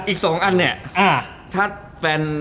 อีก๒อันเนี่ยถ้าแฟน